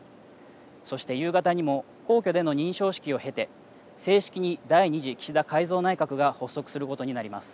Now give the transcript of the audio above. そして夕方にも皇居での認証式を経て正式に第２次岸田改造内閣が発足することになります。